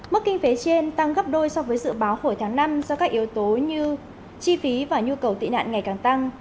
mức kinh phế trên tăng gấp đôi so với dự báo hồi tháng năm do các yếu tố như chi phí và nhu cầu tị nạn ngày càng tăng